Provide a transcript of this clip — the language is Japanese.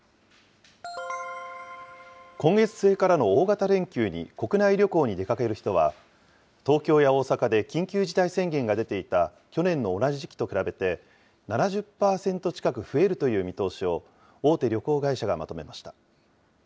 今月末からの大型連休に国内旅行に出かける人は、東京や大阪で緊急事態宣言が出ていた去年の同じ時期と比べて、７０％近く増えるという見通しを、大手旅行会社がまとめました。